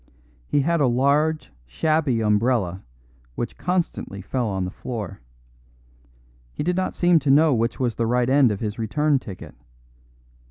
He had a large, shabby umbrella, which constantly fell on the floor. He did not seem to know which was the right end of his return ticket.